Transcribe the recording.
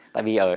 tại vì ở